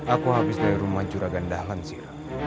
aku habis dari rumah curagan dahlan sir